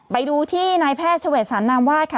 ไปดูที่นายแพทย์เฉวดสรรนามวาดค่ะ